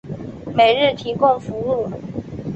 每日提供服务。